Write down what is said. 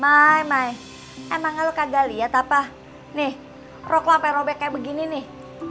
mai mai emangnya lo kagak liat apa nih rok lo sampe nobek kayak begini nih